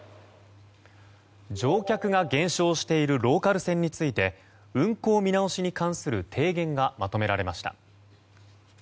乗客が減少しているローカル線について運行見直しに関する提言がまとめられました。